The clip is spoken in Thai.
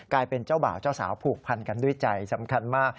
เจ้าบ่าวเจ้าสาวผูกพันกันด้วยใจสำคัญมาก